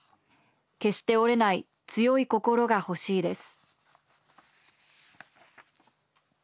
決して折れない強い心が欲しいです」。